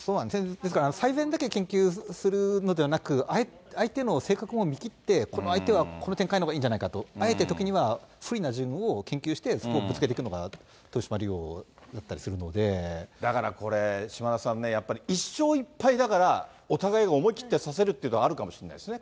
ですから、最善だけ研究するのではなく、相手の性格も見切って、この相手はこの展開のほうがいいんじゃないかと、あえて、時には不利なを研究してそこをぶつけていくのかなと、豊島竜王だからこれ、島田さんね、１勝１敗だからお互いが思い切って指せるというのはあるかもしれないですね。